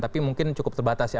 tapi mungkin cukup terbatas ya